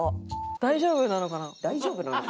「大丈夫なのかな」？